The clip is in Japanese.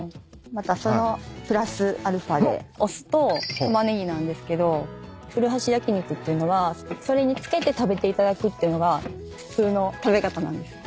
またそのプラスアルファでお酢とタマネギなんですけど古橋焼肉っていうのはそれにつけて食べていただくっていうのが普通の食べ方なんです。